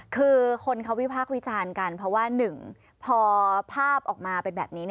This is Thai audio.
คือคนเขาวิพากษ์วิจารณ์กันเพราะว่า๑พอภาพออกมาเป็นแบบนี้